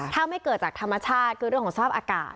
ถ้าไม่เกิดจากธรรมชาติคือเรื่องของสภาพอากาศ